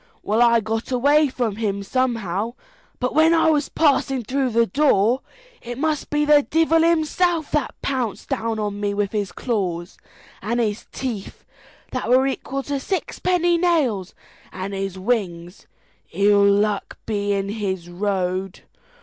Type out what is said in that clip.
Well, I got away from him somehow, but when I was passing through the door, it must be the divel himself that pounced down on me with his claws, and his teeth, that were equal to sixpenny nails, and his wings ill luck be in his road!